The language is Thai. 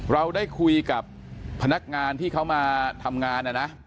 เราได้คุยกับพนักงานที่เขามาทำงานนะนะ